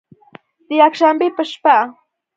د یکشنبې په شپه